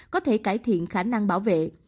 có thể cải thiện khả năng bảo vệ